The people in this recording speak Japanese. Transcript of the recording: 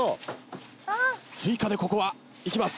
追加でここはいきます。